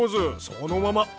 そのまま。